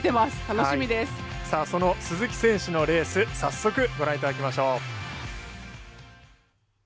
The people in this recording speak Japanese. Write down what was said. その鈴木選手のレース早速ご覧いただきましょう。